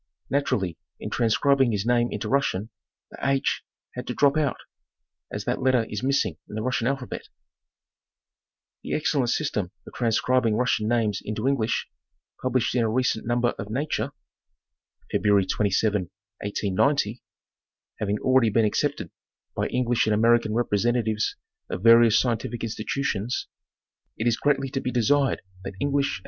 Naturally, in transcribing his name into Russian, the 4 had to drop out, as that letter is missing in the Russian alphabet. The excellent system of transcribing Russian names into Eng lish, published in a recent number of Watwre,* having already been accepted by English and American representatives of various scientific institutions, it is greatly to be desired that English and * February 27, 1890. | Geographic Nomenclature.